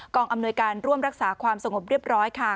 อำนวยการร่วมรักษาความสงบเรียบร้อยค่ะ